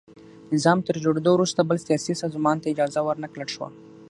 نظام تر جوړېدو وروسته بل سیاسي سازمان ته اجازه ور نه کړل شوه.